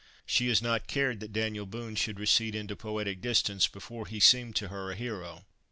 She has not cared that Daniel Boone should recede into poetic distance before he seemed to her a hero.